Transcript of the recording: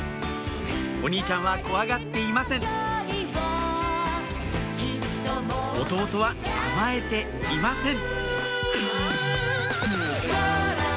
お兄ちゃんは怖がっていません弟は甘えていません